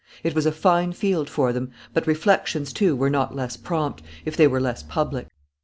It was a fine field for them: but reflections, too, were not less prompt, if they were less public.